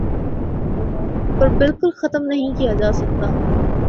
پر بالکل ختم نہیں کیا جاسکتا